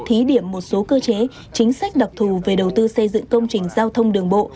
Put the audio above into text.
thí điểm một số cơ chế chính sách đặc thù về đầu tư xây dựng công trình giao thông đường bộ